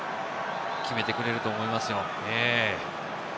決めてくれると思いますよ。